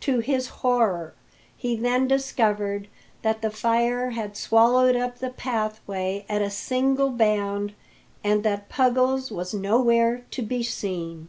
To his horror he then discovered that the fire had swallowed up the pathway at a single bound, and that Puggles was nowhere to be seen.